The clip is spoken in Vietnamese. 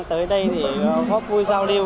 tới đây để góp vui giao lưu